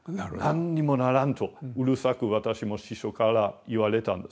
何にもならんとうるさく私も師匠から言われたんですね。